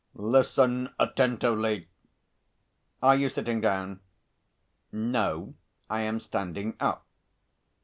Listen attentively. Are you sitting down?" "No, I am standing up."